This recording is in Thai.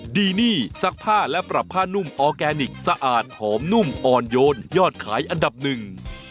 ดีนี่ซักผ้าและปรับผ้านุ่มออร์แกนิคสะอาดหอมนุ่มอ่อนโยนยอดขายอันดับหนึ่ง